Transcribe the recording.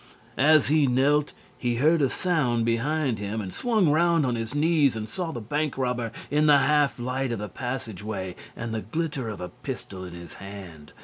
As he knelt, he heard a sound behind him, and swung round on his knees and saw the bank robber in the half light of the passage way and the glitter of a pistol in his hand.